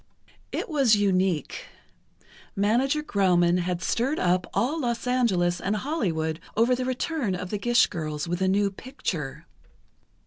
It was unique. Manager Grauman had stirred up all Los Angeles and Hollywood over the return of the Gish girls with a new picture.